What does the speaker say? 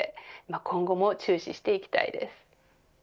今後も注視していきたいです。